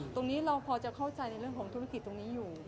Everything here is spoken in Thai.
ตรงนี้เราพอจะเข้าใจในเรื่องของธุรกิจตรงนี้อยู่